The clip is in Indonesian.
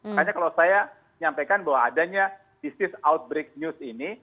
makanya kalau saya menyampaikan bahwa adanya disease outbreak news ini